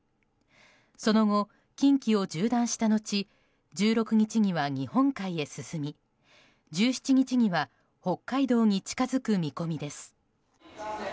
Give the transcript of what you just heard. その後、近畿と縦断した後１６日には日本海に進み、１７日には北海道に近づく見込みです。